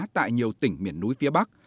tại nhiều tỉnh miền núi phía bắc